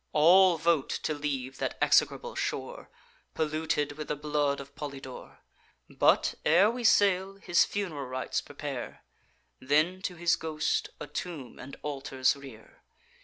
All vote to leave that execrable shore, Polluted with the blood of Polydore; But, ere we sail, his fun'ral rites prepare, Then, to his ghost, a tomb and altars rear.